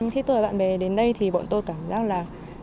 thế tôi và bạn bè đến đây thì bọn tôi cảm giác là